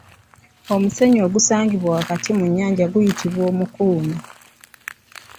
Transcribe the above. Omusenyu ogusangibwa wakati mu nnyanja guyitibwa Omukuna.